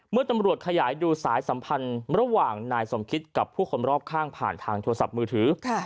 ตำรวจขยายดูสายสัมพันธ์ระหว่างนายสมคิตกับผู้คนรอบข้างผ่านทางโทรศัพท์มือถือ